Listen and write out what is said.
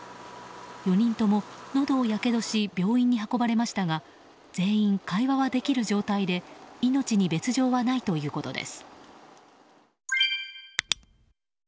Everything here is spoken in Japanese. ４人とものどをやけどし病院に運ばれましたが全員、会話はできる状態で命に別条はないということです。